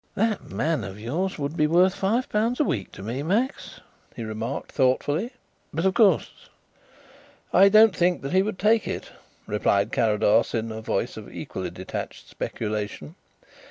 "That man of yours would be worth five pounds a week to me, Max," he remarked thoughtfully. "But, of course " "I don't think that he would take it," replied Carrados, in a voice of equally detached speculation.